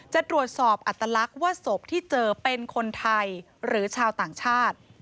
จะตรวจสอบอัตลักษณ์ว่าศพที่เจอเป็นคนไทยหรือชาวต่างชาติ